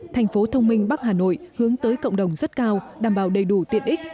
thành phố thông minh bắc hà nội hướng tới cộng đồng rất cao đảm bảo đầy đủ tiện ích